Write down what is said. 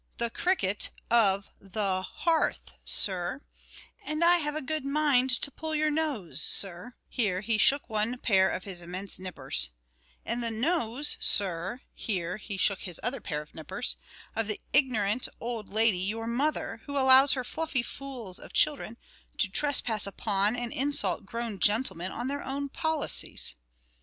the cricket of the hearth, sir; and I have a good mind to pull your nose, sir;" here he shook one pair of his immense nippers; "and the nose, sir " here he shook his other pair of nippers "of the ignorant old lady, your mother, who allows her fluffy fools of children, to trespass upon, and insult grown gentlemen on their own policies."